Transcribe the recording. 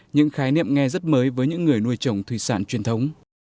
những khái niệm nghe rất mới với những người nuôi trồng thủy sản truyền thống